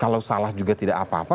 kalau salah juga tidak apa apa